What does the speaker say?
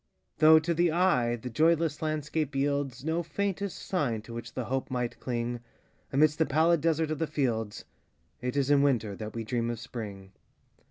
Though, to the eye, the joyless landscape yieldsNo faintest sign to which the hope might cling,—Amidst the pallid desert of the fields,—It is in Winter that we dream of Spring.